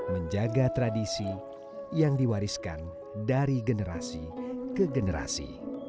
menjaga tradisi yang diwariskan dari generasi ke generasi